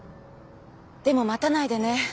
でも待たないでね。